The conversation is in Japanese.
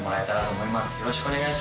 よろしくお願いします。